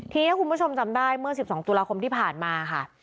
ทีนี้ถ้าคุณผู้ชมจำได้เมื่อ๑๒ตุลาคมที่ผ่านมาค่ะ